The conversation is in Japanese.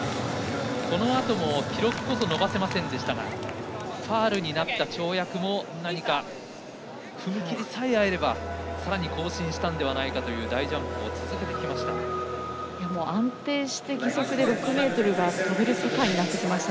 このあとも記録こそ伸ばせませんでしたがファウルになった跳躍も何か、踏み切りさえ合えばさらに更新したのではないかという大ジャンプを続けてきました。